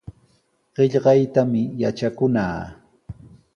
Qillqaytami yatrakunaa.